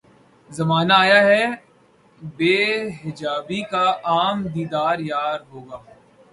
زمانہ آیا ہے بے حجابی کا عام دیدار یار ہوگا